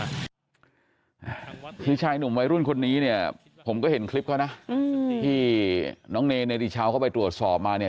ชีวิตชายหนุ่มวัยรุ่นคนนี้เนี่ยผมก็เห็นคลิปเขานะที่น้องเนยในอีกเช้าเขาไปตรวจสอบมาเนี่ย